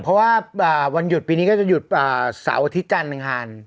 เพราะว่าวันหยุดปีนี้ก็จะหยุดเสาร์อาทิตย์จันทร์อังคาร